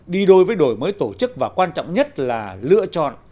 đi đôi với đổi mới tổ chức và quan trọng nhất là lựa chọn